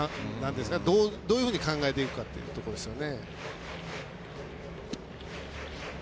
どういうふうに考えていくかというところですよね。